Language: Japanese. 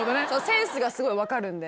センスがすごい分かるんで。